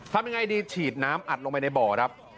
ทำยังไงดีฉีดน้ำอัดลงไปในบ่อครับ